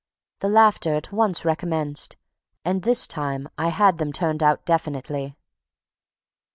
The laughter at once recommenced; and, this time, I had them turned out definitely.